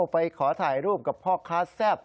ไปขอถ่ายรูปกับพ่อค้าแซ่บ